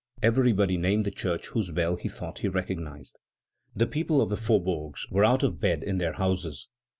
Everybody named the church whose bell he thought he recognized. The people of the faubourgs were out of bed in their houses.